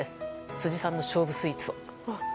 辻さんの勝負スイーツは？